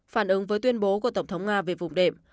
phản ứng với tuyên bố của tổng thống nga về vùng đệm